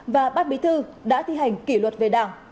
và bát bí thư đã thi hành kỷ luật về đảng